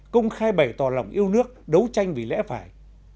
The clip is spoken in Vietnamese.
công khai bày tỏ lòng yêu nước đấu tranh vì lẽ phải